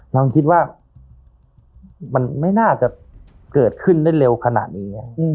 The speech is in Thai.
เราคิดว่ามันไม่น่าจะเกิดขึ้นได้เร็วขนาดนี้